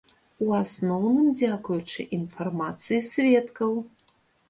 У асноўным дзякуючы інфармацыі сведкаў.